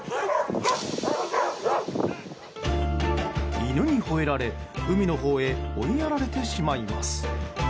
犬にほえられ、海のほうへ追いやられてしまいます。